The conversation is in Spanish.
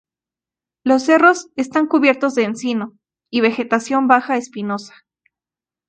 Los cerros están cubiertos de encino y vegetación baja espinosa.